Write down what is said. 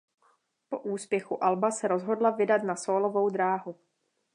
Po úspěchu alba se rozhodla vydat na sólovou dráhu.